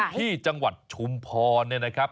ที่จังหวัดชุมพรเนี่ยนะครับ